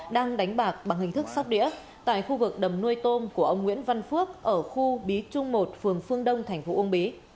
đang đánh bạc bằng hình thức sóc đĩa tại khu vực đầm nuôi tôm của ông nguyễn văn phước ở khu bí trung một phường phương đông thành phố uông bí